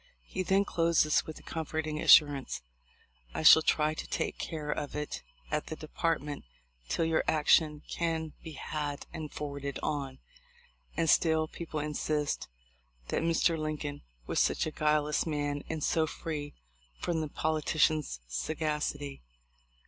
He then closes with the comforting assurance : "I shall try to take care of it at the Department till your action can be had and forwarded on." And still people insist that Mr. Lincoln was such a guileless man and so free from the politician's sagacity